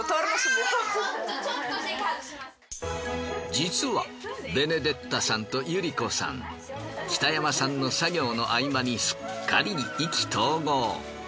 実はベネデッタさんと百合子さん北山さんの作業の合間にすっかり意気投合。